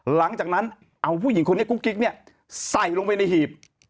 หลังจากนั้นเอาผู้หญิงคนนี้กุ๊กกิ๊กเนี่ยใส่ลงไปในหีบ